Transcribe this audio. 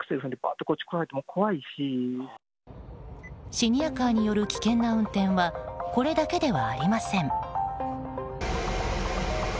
シニアカーによる危険な運転はこれだけではありません。